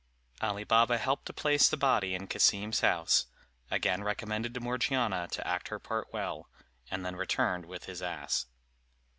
Ali Baba helped to place the body in Cassim's house, again recommended to Morgiana to act her part well, and then returned with his ass.